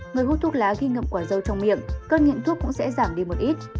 người hút thuốc lá khi ngậm quả rau trong miệng cơn nghiện thuốc cũng sẽ giảm đi một ít